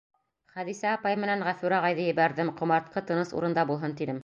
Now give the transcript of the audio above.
Хәҙисә апай менән Ғәфүр ағайҙы ебәрҙем, ҡомартҡы тыныс урында булһын тинем.